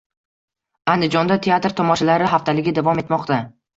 Andijonda Teatr tomoshalari haftaligi davom etmoqda